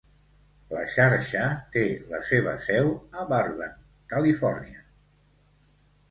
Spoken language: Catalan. La xarxa té la seva seu a Burbank, California.